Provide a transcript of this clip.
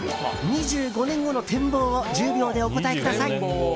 ２５年後の展望を１０秒でお答えください。